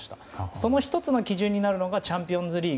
その１つの基準になるのがチャンピオンズリーグ。